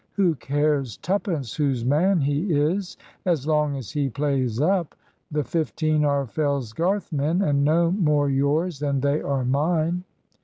Who cares twopence whose man he is, as long as he plays up? The fifteen are Fellsgarth men, and no more yours than they are mine."